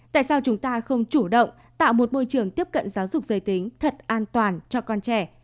tại sao chúng ta không chủ động tạo một môi trường tiếp cận giáo dục giới tính thật an toàn cho con trẻ